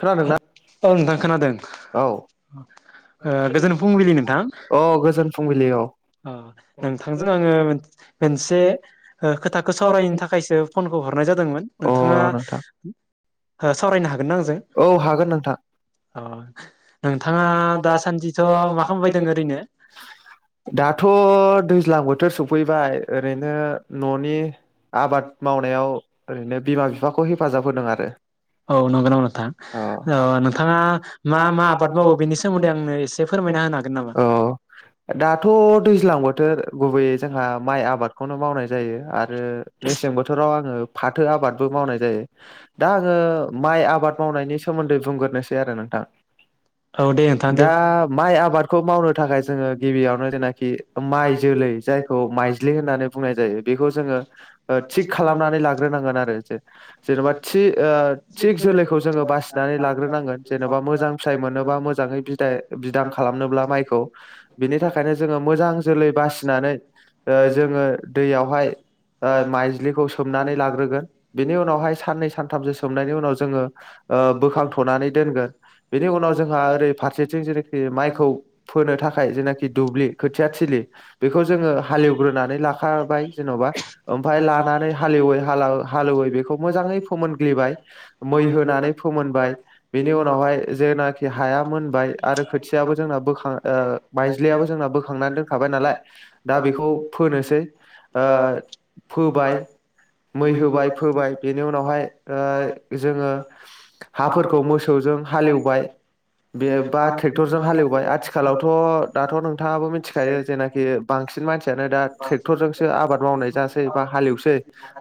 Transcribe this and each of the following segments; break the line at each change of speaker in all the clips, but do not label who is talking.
खोनादोंना?
औ नोंथां खोनादों
औ औ गोजोन फुंबिलि औ गोजोन फुंबिलि औ।
अ नोंथांजों आंङो मोनसे खोथाखौ सावरायनो थाखायसो फनखौ हरनाय जादोंमोन
अ
नोंथांङा
नोंथां
सावरायनो हागोन न नोंजों
औ हागोन नोंथां
अ। नोंथांङा दासान्दिथ' मा खालामबाय दों ओरैनो?
दाथ' दैज्लां बोथोर सफैबाय ओरैनो न'नि आबाद मावनायाव ओरैनो बिमा बिफाखौ हेफाजाब होदों आरो
औ नंगौ नामा नोंथां
अ
नोंथाङा मा मा आबाद मावो बेनि सोमोन्दै आंनो एसे फोरमायना होनो हागोन नामा
औ दाथ' दैज्लां बोथोर गुबैयै जोंहा माइ आबादखौनो मावनाय जायो आरो ओ मेसें बोथोराव आंङो फाथो आबादबो मावनाय जायो दा आंङो माइ आबाद मावनायनि सोमोन्दै बुंग्रोनोसै आरो नोंथां।
औ दे नोंथां
दा माइ आबादखौ मावनो नि थाखाय जोङो गिबियावनो जेनाखि माइ जोलै जायखौ माइज्लि होननानै बुंनाय जायो बेखौ जोङो थिग खालामनानै लाग्रोनांगोन आरो जे जेन'बा थि ओ थिग जोलैखौ जोङो बासिनानै लाग्रोनांगोन जेन'बा मोजां फिथाइ मोनोबा मोजांङै बिदाय बिदां खालामनोब्ला माइखौ बिनि थाखायनो जोङो मोजां जोलै बासिनानै ओ जोङो दैयावहाय ओ माइज्लिखौ सोमनानै लाग्रोगोन बिनि उनावहाय साननै सानथामसो सोमनायनि उनाव जोङो ओ बोखांथ'नानै दोनगोन बेनि उनाव जोंहा ओरै फारसेथिं जेनेखि माइखौ फोनो थाखाय बे दुब्लि खोथिया थिलि बेखौ जोंङो हालेवग्रोनानै लाखाबाय जेन'बा ओमफ्राय लानानै हालेवै हालेवै बेखौ मोजांङै फोमोनग्लिबाय मै होनानै फोमोनबाय बेनि उनावहाय जेनाखि हाया मोनबाय आरो खोथियाबो जोंना बोखां [unintelligible] जोंना बोखांनानै दोनखाबाय नालाय दा बेखौ फोनोसै ओ फोबाय मै होबाय फोबाय बेनि उनावहाय ओ जोङो हाफोरखौ मोसौजों हालेवबाय बे बा ट्रेक्टरजों हालेवबाय आथिखालावथ'। नोंथांङाबो मिथिखायो जेनाखि बांसिन मानसि दा ट्रेक्टर जोंसो आबाद मावनाय जासै बा हालेवसै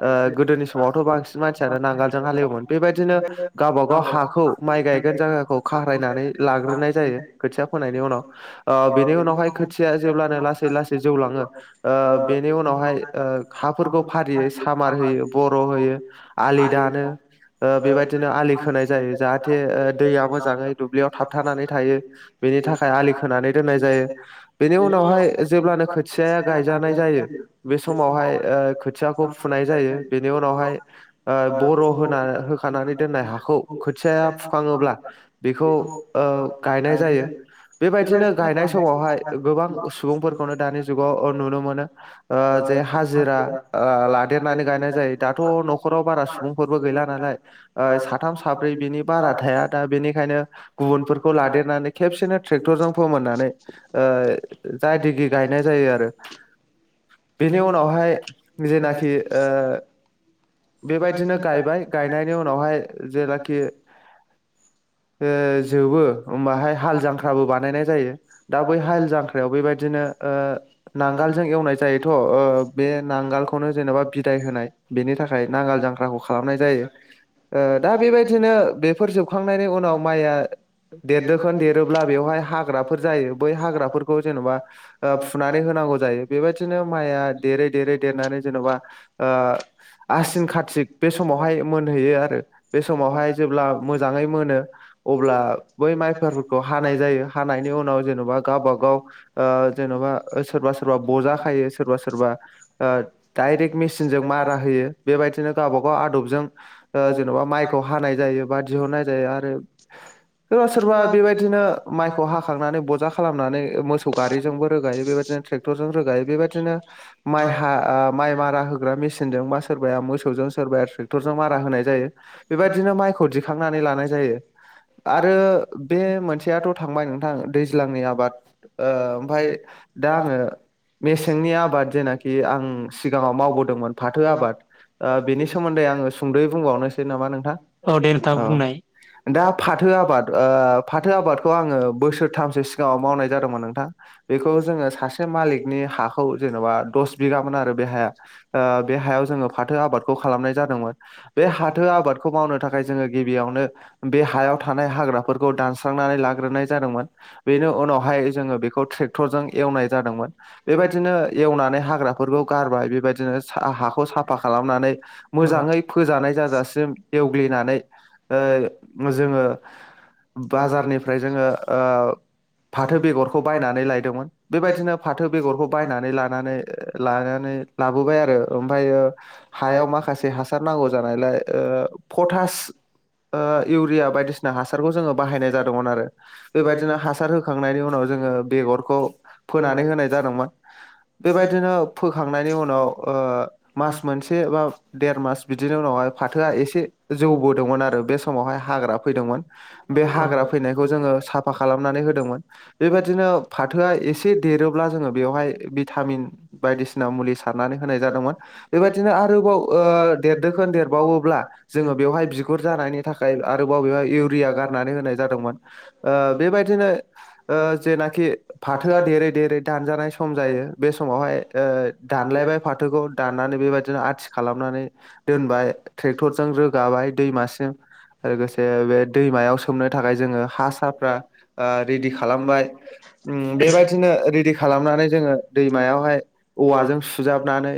ओ गोदोनि समावथ' बांसिन मानसियानो नांगालजों हालएवोमोन बे बायदिनो गावबा गाव हाखौ माइ गाय जायगा खौ खारायनानै लाग्रोनाय जायो खोथिया फोनायनि उनाव ओ बेनि उनावहाय खोथिया जेब्लानो लासै लासै जौलांङो बेनि उनावहाय ओ हाफोरखौ फारियै सामार होयो बर' होयो आलि दानो ओ बे बायदिनो आलि खोनाय जायो जाहाथे ओ मोजांयै दुब्लियाव थाबनानै थायो बिनि थाखाय आलि खोनानै दोन्नाय जायो बेनि उनावहाय जेब्लानो खोथिया [unintelligible] गायजानाय जायो बे समावहाय ओ खोथियाखौ फुनाय जायो बेनि उनावहाय बर' होना होखानानै दोननाय हाखौ खोथियाया फुखाङोब्ला, बेखौ गायनाय ओ जायो बेबायदिनो गायनाय समावहाय गोबां सुबुंफोरखौनो दानि जुगाव अ अ नुनो मोनो जे हाजिरा लादेरनानै गायनाय जायो दाथ' न'खराव बारा सुबुंफोरबो गैला नालाय ओ साथाम साब्रै बिनि बारा थाया बेनिखायनो गुबुनफोरखौ लादेरनानै खेबसेनो ट्रेक्टरजों फोमोननानै ओ जाय दिगि गायनाय जायो आरो। बेनि उनावहाय जेनाखि ओ बेबायदिनो गायबाय गायनायनि उनावहाय जेनाखि ओ जोबो होमबाहाय हाल जांख्राबो बानायनाय जायो दा बै हाल जांख्रायाव बेबायदिनो ओ नांगालजों एवनाय जायोथ' ओ बे नांगोलखौनो जेनेबा बिदाय होनाय बेनि थाखाय नांगाल जांख्राखौ खालामनाय जायो ओ दा बेबायदिनो बेफोर जोब माइआ देरनोखौ देरोब्ला बेवहाय हाग्राफोर जायो बै हाग्राफोरखौ जेन'बा ओ फुनानै होनांगौ जायो बेबायदिनो माइआ देरै देरै देरनानै जेनेबा ओ आसिन कतिक बे समावहाय मोनहैयो आरो बे समावहाय जेब्ला जाङै मोनो अब्ला बै माइफोरखौ हानाय जायो हानायनि उनाव जेन'बा गावबाागाव ओ जेन'बा सोरबा सोरबा बजा खायो सोरबा सोरबा डायरेक्ट मेसिनजों मारा होयो बेबायदिनो गावबा गाव आदबजों जेन'बा माइखौ हानाय जायो बा। ना जायो आरो [unintelligible] सोरबा सोरबा बेबायदिनो माइखौ हाखांनानै बजा खालामनानै मोसौ गारिजोंबो रोगायो बेबायदिनो ट्रेक्टरजों रोगायो बेबायदिनो माइ हा माइ मारा होग्रा मेसिनजों बा सोरबाया मोसौजों सोरबाया ट्रेक्टरजों मारा होनाय जायो बेबायदिनो माइखौ दि थिखांनानै लानाय जायो। आरो बे मोनसेयाथ' थांबाय नोंथां दैज्लांनि आबाद ओ ओमफाय दा आङो मेसेंनि आबाद जेनाखि आं सिगाङाव मावबोदोंमोन फाथो आबाद ओ बेनि सोमोन्दै आङो सुंद'यै बुंबावनोसै नामा नोंथां औ दे। औ। दा फाथो आबाद ओ फाथो आबादखौ आङो बोसोरथामसो सिगाङाव मावनाय जादोंमोन नोंथां बेखौ जोङो सासे मालिकनि हाखौ जेन'बा दस बिगामोन आरो बे हाया ओ बे हायाव जोङो फाथो आबादखौ खालामनाय जादोंमोन बे फाथो आबादखौ मावनो थाखाय जोङो गिबियावनो। बे हायाव थानाय हाग्राफोरखौ दानस्रांनानै लाग्रोनाय जादोंमोन बेनि उनावहाय जोङो बेखौ ट्रेक्टरजों एवनाय जादोंमोन बेबायदिनो एवनानै हाग्राफोरखौ गारबाय बेबायदिनो हाखौ साफा खालामनानै मोजाङै फोजानाय जाजासिम एवग्लिनानै। ओ। जोङो बाजारनिफ्राय जोङो ओ फाथो बेगरखौ बायनानै लायदोंमोन बेबायदिनो फाथो बेगरखौ बायनानै लानानै लानानै लाबोबाय आरो ओमफायो हायाव माखासे हासार नांगौ जानायलाय ओ पटास ओ इउरिया बायदिसिना हासारखौ जोङो बाहायनाय जादोंमोन आरो बेबायदिनो हासार होखांनायनि उनाव जोङो बेगरखौ फोनानै होनाय जादोंमोन बेबायदिनो फोखांनायनि उनाव ओ मास मोनसे बा देर मास बिदिनि उनावहाय फाथोआ एसे जौ आरो बे समावहाय। फैदोंमोन बे हाग्रा फैनायखौ जोङो साफा खालामनानै होदोंमोन बेबादिनो फाथोआ एसे देरोब्ला जोङो बेवहाय भिटामिन बायदिसिना मुलै सारनानै होनाय जादोंमोन बेबादिनो आरोबाव ओ देरदोखोन देरबावोब्ला जोङो बेवहाय गुर जानायनि थाखाय। आरोबाव बेवहाय इउरिया गारनानै होनाय जादोंमोन ओ बेबायदिनो ओ जेनाखि फाथोआ देरै देरै दानजानाय सम जायो बे समावहाय ओ दानलायबाय फाथोखौ दाननानै बेबायदिनो आथि खालामनानै दोनबाय ट्रेक्टरजों रोगाबाय। दैमासिम। लोगोसे बे दैमायाव सोमनो थाखाय जोङो हा साफ्रा ओ रेडि खालामबाय उम बेबायदिनो रेडि खालामनानै जोङो दैमायावहाय औवाजों सुजाबनानै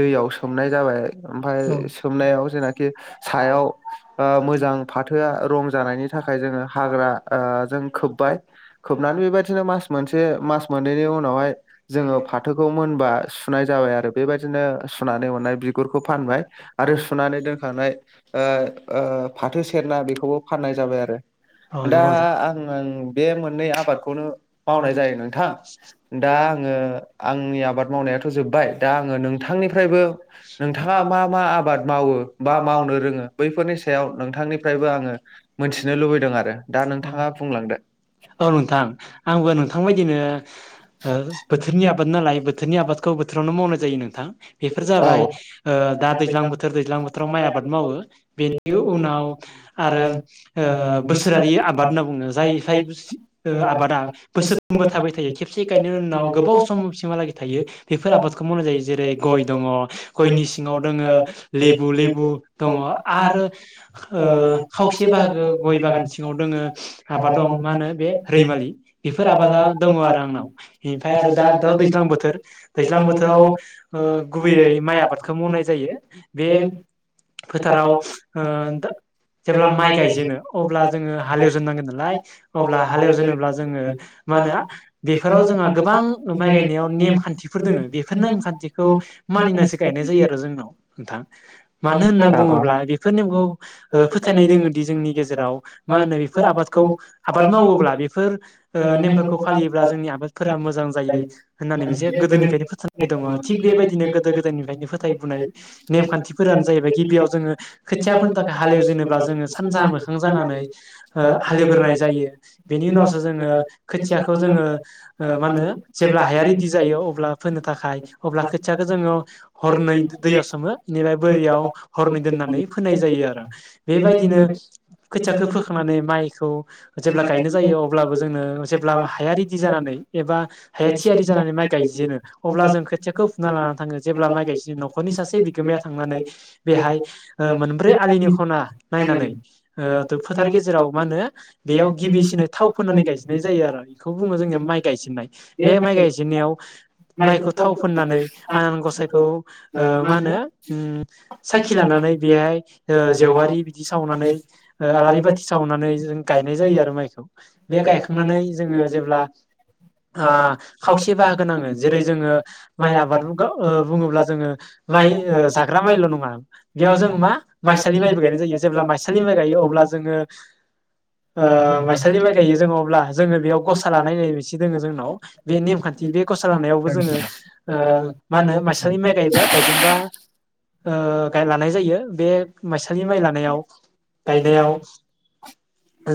दैयाव सोमनाय जाबाय ओमफाय सोमनायाव जेनाखि सायाव ओ मोजां। फाथोआ रं जानायनि थाखाय जोङो हाग्रा ओ जों खोबबाय खोबनानै बेबायदिनो मास मोनसे मास मोननैनि उनावहाय जोङो फाथोखौ मोनबा सुनाय जाबाय आरो बेबायदिनो सुनानै हनाय बिगुरखौ फानबाय आरो सुनानै दोनखानाय ओ ओ सेरना बेखौबो फाननाय जाबाय आरो दा आं बे मोननै आबादखौनो मावनाय जायो नोंथां दा आङो आंनि आबाद मावनायाथ' जोब्बाय दा आङो नोंथांनिफ्रायबो नोंथाङा मा मा आबाद मावो बा मावनो रोङो बैफोरनि सायाव
औ
नोंथां। आरो दा नोंथाङा
नोंथां आंबो नोंथां बायदिनो ओ बोथोरनि आबाद नालाय बोथोरनि आबादखौ बोथोरावनो मावनाय जायो नोंथां बेफोर
बुंलांदो
जाबाय ओ दा दैज्लां बोथोर दैज्लां बोथोराव माइ आबाद मावो [unintelligible] उनाव। आरो ओ बोसोरारि आबाद होनना बुङो जाय जाय ओ आबादा बोसोरफ्रोमबो थाबाय थायो खेबसे गायनायनि उनाव गोबाव समसिमहालागै थायो बेफोर आबादखौ मावनाय जायो जेरै गय दङ गयनि सिङाव दङो लेबु लेबु दङ। आरो। ओ खावसे बाहागो गय बागान सिङाव दोङो माबा दं मा होनो बे रैमालि बेफोर आबादा दङ आरो आंनाव इनिफ्राय आरो दा थ दैज्लां बोथोर दैज्लां बोथोराव ओ गुबैयै माइ आबादखौ मावनाय जायो बे फोथाराव ओ दा
[unintelligible]
जेब्ला माइ गायजेनो अब्ला जोङो हालेवजोननांगोन नालाय अब्ला हालेवजेनोब्ला जोङो मा होनो बेफोराव जोंहा गोबां माइ गायनायाव नेमखान्थिफोर दोङो बेफोर नेमखान्थिखौ मानिनानैसो गायनाय जायो आरो जोंनाव नोंथां। मानो होनना बुङोब्ला बेफोर नेमखौ ओ फोथायनाय दोङोदि जोंनि गेजेराव मा होनो बेफोर आबादखौ आबाद मावोब्ला बेफोर ओ नेमफोरखौ फालियोब्ला जोंनि आबादफोरा मोजां जायो होननानै मोनसे गोदोनिफायनो फोथायनाय दङ थिग बेबायदिनो गोदो गोदायनिफ्रायनो फोथायबोनाय नेमखान्थिफो जाहैबाय गिबियाव जोङो खोथिया फोनो थाख हालेव जेनोब्ला जोङो सानजाहा मोखां जानानै ओ हालेवग्रोनाय जायो बेनि उनावसो जोङो खोथियाखौ जोङो ओ मा होनो जेब्ला हाया रेदि जायो अब्ला फोनो थाखाय अब्ला खोथियाखौ जोङो हरनै दैयाव सोमो एनि हरनै दोननानै फोनाय जायो आरो। बेबायदिनो खोथियाखौ फोखांनानै माइखौ जेब्ला गायनो जायो अब्लाबो जोंनो जेब्ला हाया रेदि जानानै एबा हाया थियारि जानानै माइ गायजेनो अब्ला जों खोथियाखौ फुना लाना थाङो जेब्ला माइ गायसि न'खरनि सासे बिगोमाया था थांनानै बेहाय ओ मोनब्रै आलिनि ना नायनानै ओ थो फोथार गेजेराव मा होनो बेयाव गिबिसिनै थाव फोननानै गायजेननाय जायो आरो इखौ बुङो जोंनिया माइ गायजेननाय बे माइ गायजेनायाव माइखौ थाव फोननानै आनान ग'साइखौ ओ मा होनो उम साखि लानानै बेहाय ओ जेवारि बिदि सावनानै ओ आलारि बाथि सावनानै जों गायनाय जायो आरो माइखौ बे गायखांनानै जोङो जेब्ला ओ खावसे बाहागोनाङो जेरै जोङो माइ आबाद [unintelligible] ओ बुङोब्ला जोङो माइ ओ ग्रा माइल' नङा बेयाव जों मा माइसालि माइबो गायनाय जायो जेब्ला माइसालि माइ गायो अब्ला जोङो ओ माइसालि माइ गायो जोङो अब्ला जोङो बेयाव ग'सा लानाय बिसे दोङो जोंनाव बे नेमखान्थि बे ग'सा लानायावबो जोङो ओ मा होनो माइसालि माइ गायोबा गायजेनबा ओ गाय लानाय जायो बे माइसालि माइ लानायाव गायनायाव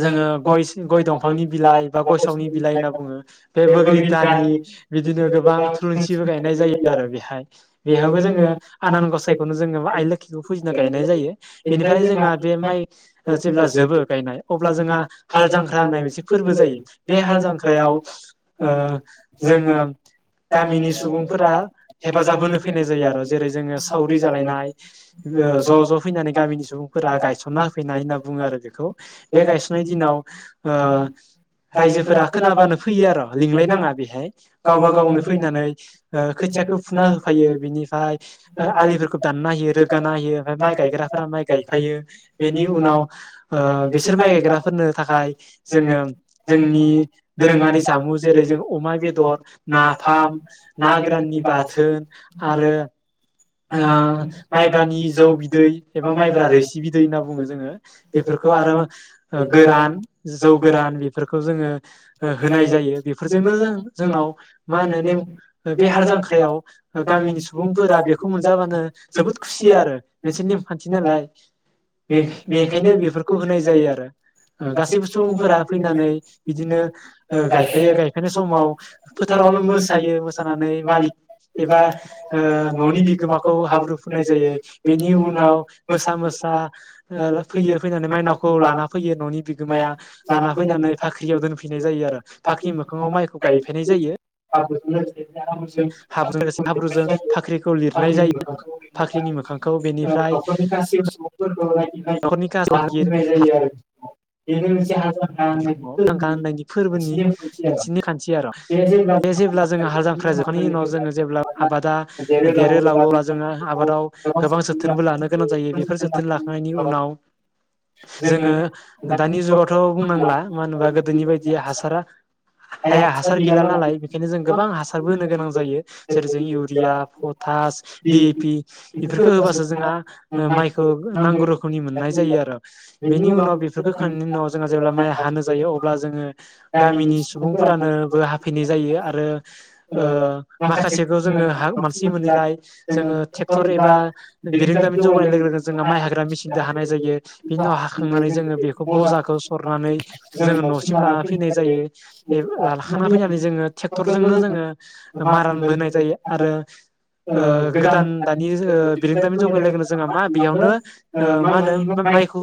जोङो गयस गय दंफांनि बिलाइ बा गयसावनि बिलाइ होनना बुङो बे बोग्रि दानि बिदिनो गोबां थुलुन्सिबो गायनाय जायो आरो बेहाय बेहाबो जोङो आनान ग खौनो जोङो बा आइ लोखिखौ फुजिना गायनाय जायो। बेनिफाय जोंहा बे माइ ओ जेब्ला जोबो गायनाय अब्ला जोंहा हाल जांख्रा होननाय मोनसे फोर्बो जायो बे हाल जांख्रायाव ओ जोङो गामिनि सुबुंफोरा हेफाजाब होनो फैनाय जायो आर' जेरै जोङो साव रि जालायनाय ओ ज' ज' फैनानै गामिनि सुबुंफोरा गायसनना होफैनाय होनना बुङो आरो बेखौ बे गायसननाय दिनाव ओ रायजोफोरा खोनाबानो फैयो आर' लिंलायनाङा बेहाय गावबा गावनो फैनानै ओ खोथियाखौ फुना होफायो बिनिफाय आलिफोरखो दानना होयो रोगाना होयो ओमफाय माइ गायग्राफोरा माइ गायफायो बेनि उनाव ओ बिसोर माइ गायग्राफोरनो थाखाय जोङो जोंनि दोरोङारि जामु जेरै जों अमा बेदर नाफाम ना गोराननि बाथोन आरो आ माइब्रानि जौ बि दै एबा माइब्रा रोसिबिदै होनना बुङो जोङो बेफोरखौ आर' ओ गोरान जौ गोरान बेफोरखौ जोङो ओ होनाय जायो बेफोरजोंनो जों जोंनाव मा होनो नेम बे हाल जांख्रायाव गामिनि सुबुंफोरा बेख खौ मोनजाबानो जोबोद खुसि आरो। मोनसे नेमखान्थि नालाय बेख-बेखायनो बिफोरखौ होनाय जायो आरो हो गासैबो सुबुंफोरा फैनानै बिदिनो ओ गायफायो गायफायनाय समाव फोथारावनो मोसायो मोसानानै मालिक एबा ओ
ननि बिगुमाखौ हाब्रु फोननाय जायो ।
बेनि उनाव मोसा मोसा फैयो फैनानै माइनावखौ लाना फैयो ननि बिगोमाया लाना फैनानै भाख्रियाव दोनफैनाय जायो आरो भाख्रि मोखाङाव माइखौ गायफैनाय जायो।
[unintelligible]
हाब्रजों लोगोसे हाब्रुजों भाख्रिखो बेनिफ्राय
[unintelligible]
न'खरनि गाहाय
[unintelligible]
बिखुङाव फांखा होननायनि फोरबोनि मोनसेनि खान्थि आरो बे जेब्ला जोङो हाल जांख्रा जोबखांनायनि उनाव जोङो जेब्ला आबादा देरोलाबोब्ला जोङो आबादाव गोबां जोथोनबो लानो गोनां जायो बेफोर जोथोन लाखांनायनि उनाव जोङो दानि जुगावथ बुंनांला मानो होनोबा गोदोनि बायदि हासारा हाया हासार गैला नालाय बेनिखायनो जों गोबां हासारबो होनो गोनां जायो जेरै जों इउरिया थास डि ए पि बेफोरखौ होबासो जोंहा माइखौ नांगौ रोखोमनि मोननाय जायो आरो। बेनि उनाव बेफोरखौ खांनायनि उनाव जेब्ला माइ हानो जायो अब्ला जोङो गामिनि सुबुंफोरानोबो हाफैनाय जायो आरो ओ माखासेखौ जोङो मोनैलाय जोङो ट्रेक्टर एबा बिरोंदामिन जौगानाय लोगो लोगो जों माइ हाग्रा मेसिनजों हानाय जायो बिनि उनाव हाखांनानै जोङो बेखौ बजाखौ हरनानै जोङो नसिम लाना फैनाय जायो लाखा फैनानै जोङो ट्रेक्टरजोंनो जोङो मारान बोनाय जायो आरो गोदान दानि बिरोंदामिनि जौगानाय लोगो लोगोनो जोंहा मा बेयावनो मा होनो माइखौ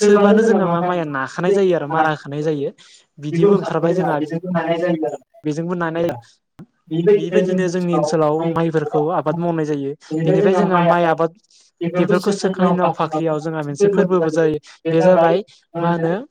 सोबानो जोंहा मा माइया ना खानाय जायो आरो मारा होखानाय जायो बिदिबो ओंखारबाय जोंहा बेजोंबो नानाय बेबायदिनो जोंनि ओनसोलाव माइफोरखौ आबाद मावनाय जायो बेनिफ्राय जोंहा माइ आबाद बेफोरखौ सोखांनायनि उनाव भाख्रियाव जोंहा मोनसे फोरबोबो जायो बे जाबाय मा होनो